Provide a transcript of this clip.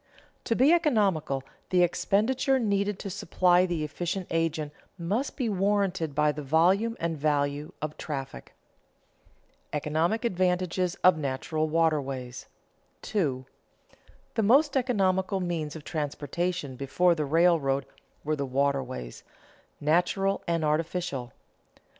To be economical, the expenditure needed to supply the efficient agent must be warranted by the volume and value of traffic. [Sidenote: Economic advantages of natural waterways] 2. _The most economical means of transportation before the railroad were the waterways, natural and artificial.